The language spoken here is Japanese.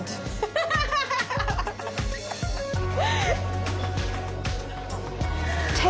ハハハハッ！